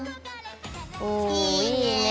おいいね！